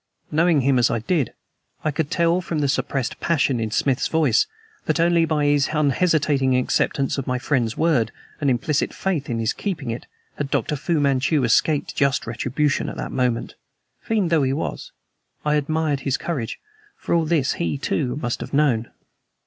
Knowing him as I did, I could tell from the suppressed passion in Smith's voice that only by his unhesitating acceptance of my friend's word, and implicit faith in his keeping it, had Dr. Fu Manchu escaped just retribution at that moment. Fiend though he was, I admired his courage; for all this he, too, must have known.